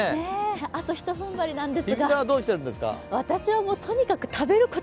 あとひと踏ん張りなんですが。